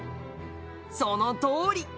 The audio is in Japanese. そのとおり。